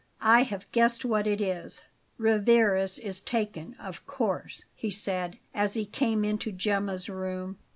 "I have guessed what it is: Rivarez is taken, of course?" he said, as he came into Gemma's room.